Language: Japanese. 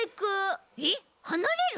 えっはなれる！？